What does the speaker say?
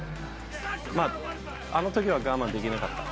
まあ、あのときは我慢できなかった。